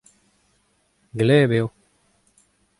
gleb eo.